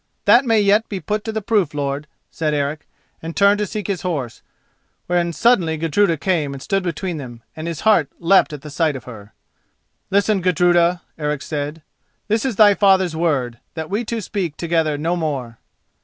"That may yet be put to the proof, lord," said Eric, and turned to seek his horse, when suddenly Gudruda came and stood between them, and his heart leapt at the sight of her. "Listen, Gudruda," Eric said. "This is thy father's word: that we two speak together no more."